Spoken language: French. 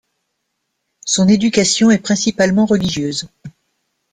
Son éducation est principalement religieuse.